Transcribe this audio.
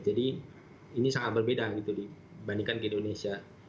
jadi ini sangat berbeda dibandingkan indonesia